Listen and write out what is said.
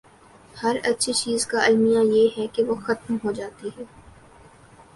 ہر اچھی چیز کا المیہ یہ ہے کہ وہ ختم ہو جاتی ہے۔